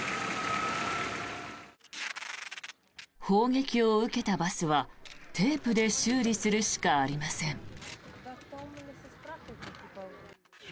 砲撃を受けたバスはテープで修理するしかありません。